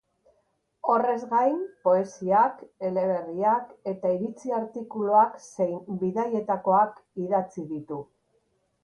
Horrez gain, poesiak, eleberriak eta iritzi artikuluak zein bidaietakoak idatzi ditu.